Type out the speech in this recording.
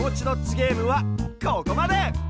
ゲームはここまで！